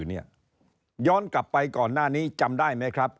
โด่งดังอยู่บนหน้าสื่อย้อนกลับไปก่อนหน้านี้จำได้ไหมครับ